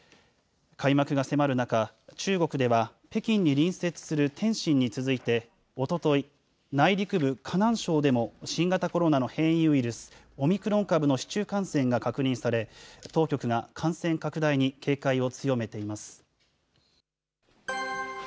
開幕が迫る中、中国では北京に隣接する天津に続いて、おととい、内陸部、河南省でも新型コロナの変異ウイルス、オミクロン株の市中感染が確認され、当局が感染拡大に警戒を強めています。